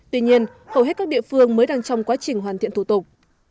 tuy nhiên hầu hết các địa phương mới đang trong quá trình hoàn thiện thủ tục